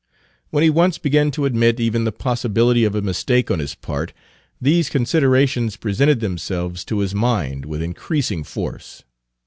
When he once began to admit even the possibility of a mistake on his part, these considerations presented themselves to his mind with increasing force.